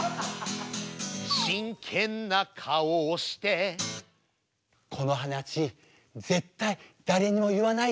真剣な顔をしてこの話絶対誰にも言わないでね。